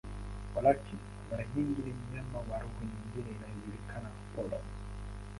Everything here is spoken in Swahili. Walakini, mara nyingi ni mnyama wa roho nyingine inayojulikana, polong.